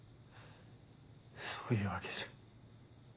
そういうわけじゃ。